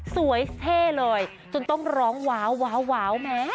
เท่เลยจนต้องร้องว้าวแม้